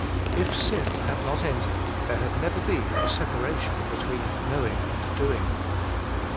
If sin had not entered there had never been a separation between knowing and doing.